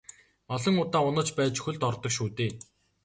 Олон удаа унаж байж хөлд ордог шүү дээ.